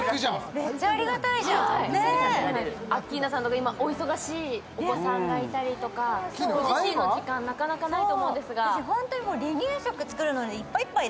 アッキーナさん、今お忙しい、お子さんがいたりとかご自身の時間なかなかないと思うんですが。